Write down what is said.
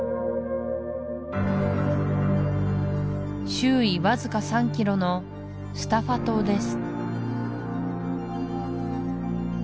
周囲わずか３キロのスタファ島です